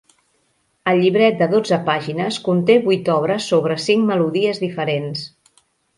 El llibret de dotze pàgines conté vuit obres sobre cinc melodies diferents.